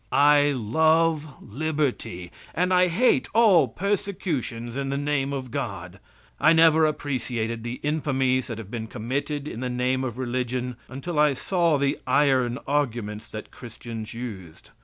I love liberty and I hate all persecutions in the name of God. I never appreciated the infamies that have been committed in the name of religion until I saw the iron arguments that Christians used.